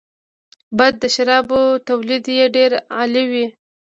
باید د شرابو تولید یې ډېر عالي وي.